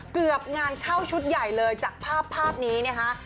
เกือบงานเข้าชุดใหญ่เลยจากภาพนี้เนี่ยครับ